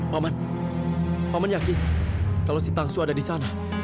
maman paman yakin kalau si tangsu ada di sana